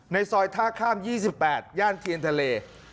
ในซอยท่าข้ามยี่สิบแปดย่านเทียนทะเล